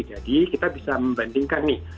jadi kita bisa membandingkan nih